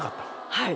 はい。